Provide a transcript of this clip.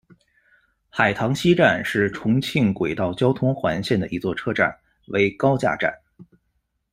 海棠溪站是重庆轨道交通环线的一座车站，为高架站。